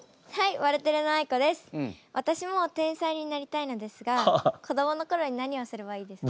わたしも天才になりたいのですが子どもの頃に何をすればいいですか？